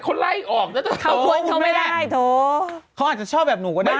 เขาอาจจะชอบแบบหนูก็ได้